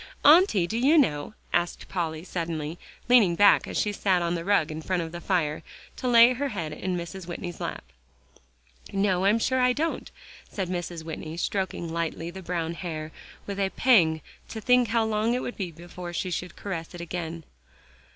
"Auntie, do you know?" asked Polly suddenly, leaning back, as she sat on the rug in front of the fire, to lay her head in Mrs. Whitney's lap. "No, I'm sure I don't," said Mrs. Whitney, stroking lightly the brown hair, with a pang to think how long it would be before she should caress it again.